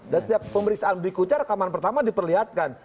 dan setiap pemeriksaan berikutnya rekaman pertama diperlihatkan